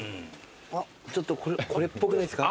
あっちょっとこれっぽくないですか？